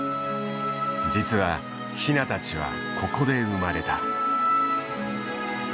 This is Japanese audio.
実はヒナたちはここで生まれた。